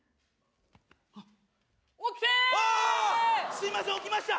すいません起きました！